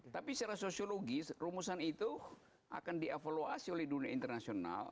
tapi secara sosiologis rumusan itu akan dievaluasi oleh dunia internasional